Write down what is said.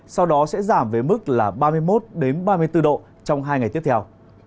sau đó sẽ giảm về mức là ba mươi một ba mươi bốn độ trong hai ngày tiếp theo